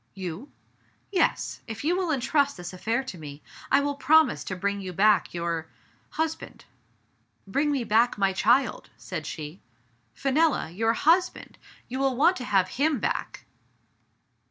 "You?" "Yes. If you will intrust this affair to me, I will promise to bring you back your — husband." "Bring me back my child," said she. "Fenella! your husband! you will want to have him back